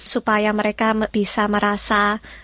supaya mereka bisa merasa